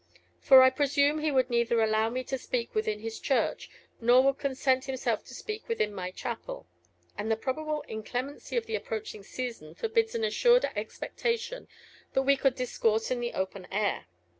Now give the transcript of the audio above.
For I presume he would neither allow me to speak within his church, nor would consent himself to speak within my chapel; and the probable inclemency of the approaching season forbids an assured expectation that we could discourse in the open air.